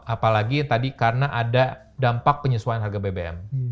apalagi tadi karena ada dampak penyesuaian harga bbm